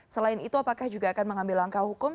selain itu apakah juga akan mengambil langkah hukum